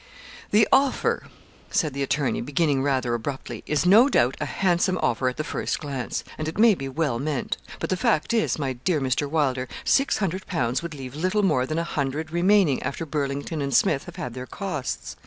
'The offer,' said the attorney, beginning rather abruptly, 'is no doubt a handsome offer at the first glance, and it may be well meant. But the fact is, my dear Mr. Wylder, six hundred pounds would leave little more than a hundred remaining after Burlington and Smith have had their costs.